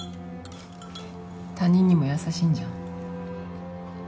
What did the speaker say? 他人にも優しいんじゃん。